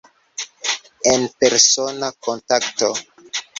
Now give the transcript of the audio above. En persona kontakto.